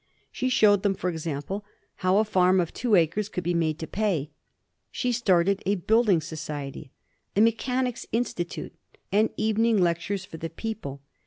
She showed them, by example, how a farm of two acres could be made to pay. She started a building society, a mechanics' institute, and evening lectures for the people.